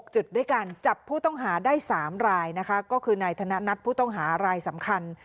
จุดด้วยการจับผู้ต้องหาได้๓รายนะคะก็คือนายธนัดผู้ต้องหารายสำคัญ